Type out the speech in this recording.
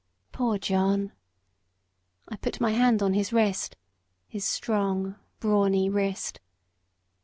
"Poor John!" I put my hand on his wrist his strong, brawny wrist.